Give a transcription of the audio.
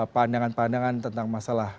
pandangan pandangan tentang masalah